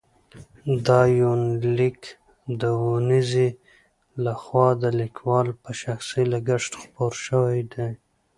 دا یونلیک د اونیزې له خوا د لیکوال په شخصي لګښت خپور شوی دی.